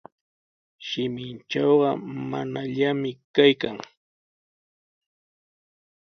"Shimintrawqa ""manallami"" kaykan."